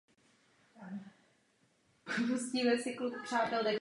Několikrát také zvítězila se štafetou žen.